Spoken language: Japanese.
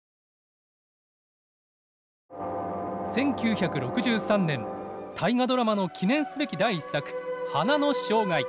１９６３年「大河ドラマ」の記念すべき第１作「花の生涯」。